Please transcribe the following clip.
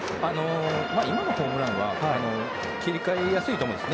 今のホームランは切り替えやすいと思います。